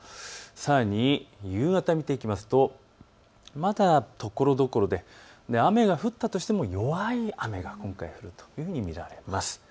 さらに夕方見ていきますと、まだところどころで雨が降ったとしても弱い雨が今回降るというふうに見られます。